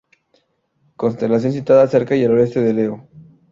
Constelación situada cerca y al oeste de Leo.